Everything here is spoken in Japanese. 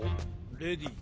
レディー